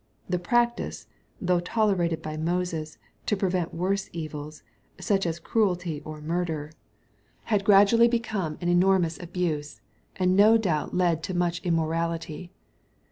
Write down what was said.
The practice, though tolerated by Moses, to prevent worse evils — such as cruelty or murder — 234 EXPOSITORY THOUGHTS. had gradually become an enormous abuse^ and no doubt led to much immorality.